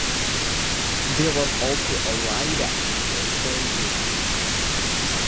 There was also a live action role-playing game.